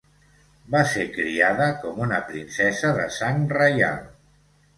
Va ser criada com una princesa de sang reial.